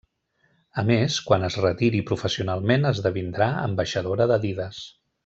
A més, quan es retiri professionalment esdevindrà ambaixadora d'Adidas.